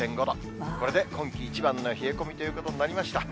これで今季一番の冷え込みということになりました。